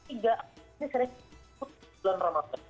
ini sering bulan ramadan